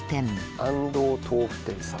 安藤豆腐店さん。